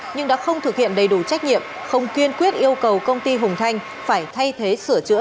nhưng đã không thực hiện đầy đủ trách nhiệm không kiên quyết yêu cầu công ty hùng thanh phải thay thế sửa chữa